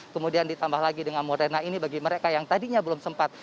kemudian ditambah lagi dengan moderna ini bagi mereka yang tadinya belum sempat